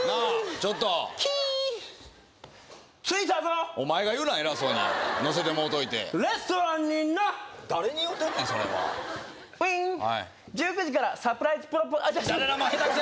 ちょっとキーッ着いたぞお前が言うな偉そうに乗せてもうといてレストランにな誰に言うてんねんそれはウィーン１９時からサプライズプロポーちゃうちゃう